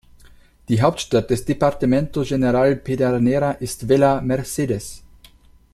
Die Hauptstadt des Departamento General Pedernera ist Villa Mercedes.